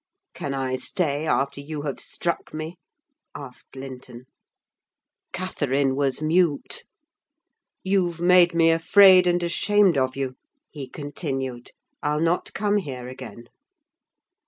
"Can I stay after you have struck me?" asked Linton. Catherine was mute. "You've made me afraid and ashamed of you," he continued; "I'll not come here again!"